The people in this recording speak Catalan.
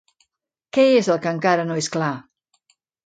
Què és el que encara no és clar?